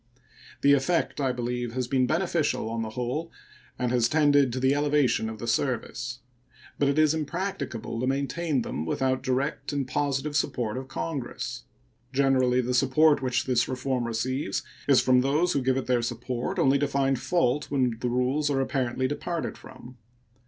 The effect, I believe, has been beneficial on the whole, and has tended to the elevation of the service. But it is impracticable to maintain them without direct and positive support of Congress. Generally the support which this reform receives is from those who give it their support only to find fault when the rules are apparently departed from.